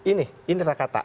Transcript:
ini ini rakata